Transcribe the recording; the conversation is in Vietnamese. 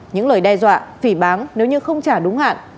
những lời đe dọa phỉ bán nếu như không trả đúng hạn